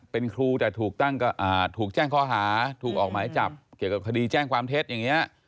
เป็นครูแต่ถูกแจ้งข้อหาถูกออกหมายจับเกี่ยวกับคดีแจ้งความเท็จอย่างนี้